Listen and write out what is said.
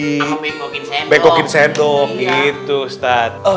atau bengkokin sendok gitu ustadz